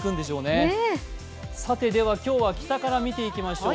それでは北から見ていきましょう。